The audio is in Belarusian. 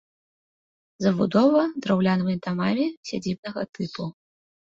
Забудова драўлянымі дамамі сядзібнага тыпу.